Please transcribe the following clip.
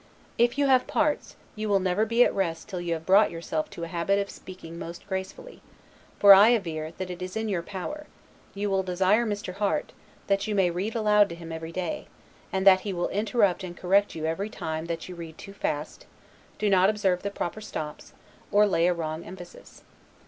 If you have parts, you will never be at rest till you have brought yourself to a habit of speaking most gracefully; for I aver, that it is in your power You will desire Mr. Harte, that you may read aloud to him every day; and that he will interrupt and correct you every time that you read too fast, do not observe the proper stops, or lay a wrong emphasis.